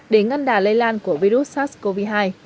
để ngăn đà lây lan của virus sars cov hai